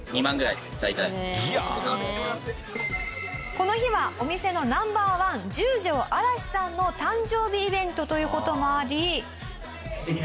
この日はお店のＮｏ．１十条嵐さんの誕生日イベントという事もあり。